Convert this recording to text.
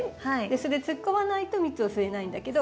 それ突っ込まないと蜜を吸えないんだけど。